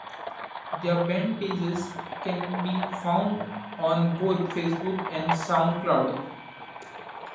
Their band pages can be found on both Facebook and SoundCloud.